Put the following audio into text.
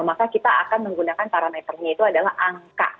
maka kita akan menggunakan parameternya itu adalah angka